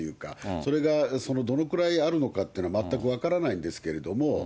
それがどのくらいあるのかっていうのは、全く分からないんですけども。